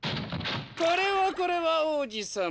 これはこれは王子さま。